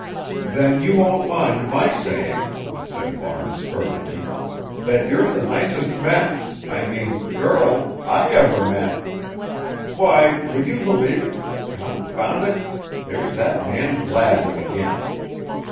"Then you won't mind my saying," said Barnes fervently, "that you're the nicest ma' I mean girl I ever met. Why, would you believe it confound it, here's that man Gladwin again.